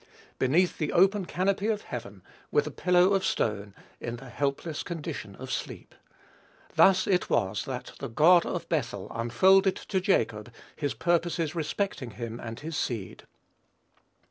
Beneath the open canopy of heaven, with a pillow of stone, in the helpless condition of sleep. Thus it was that the God of Bethel unfolded to Jacob his purposes respecting him and his seed.